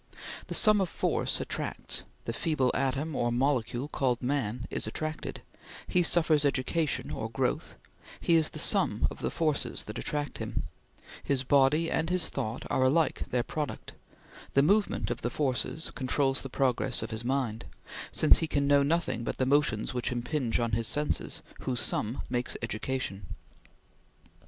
The sum of force attracts; the feeble atom or molecule called man is attracted; he suffers education or growth; he is the sum of the forces that attract him; his body and his thought are alike their product; the movement of the forces controls the progress of his mind, since he can know nothing but the motions which impinge on his senses, whose sum makes education.